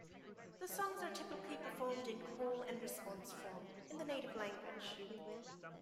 The songs are typically performed in call and response form, in the native language.